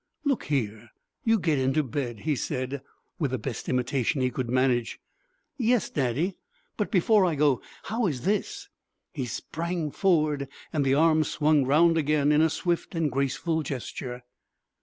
"Look here! You get into bed!" he said, with the best imitation he could manage. "Yes, Daddy. But before I go, how is this?" He sprang forward and the arm swung round again in a swift and graceful gesture.